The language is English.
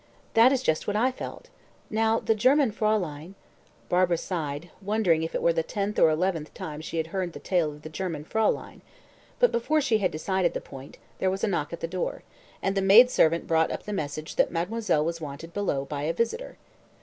"That is just what I felt. Now, the German fräulein " Barbara sighed, wondering if it were the tenth or eleventh time she had heard the tale of the "German fräulein"; but before she had decided the point, there was a knock at the door, and the maid servant brought up the message that mademoiselle was wanted below by a visitor.